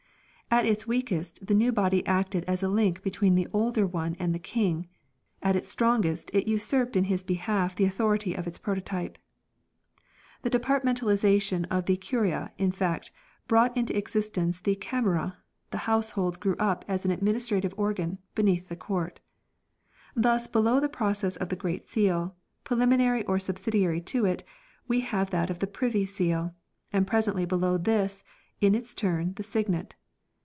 At its weakest the new body acted as a link between the older one and the King; at its strongest it usurped in his behalf the authority of its prototype. The departmentalization of the "Curia," in fact, brought into existence the '" Camera," the household grew up as an administrative organ, beneath the Court. Thus below the process of the Great Seal, preliminary or subsidiary to it, we have that of the Privy Seal ; and presently below this in its turn the Signet.